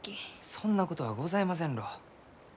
そんなことはございませんろう。